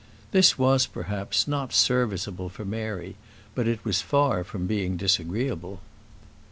This was, perhaps, not serviceable for Mary; but it was far from being disagreeable.